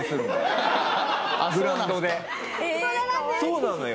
そうなのよ。